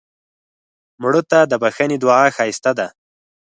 مړه ته د بښنې دعا ښایسته ده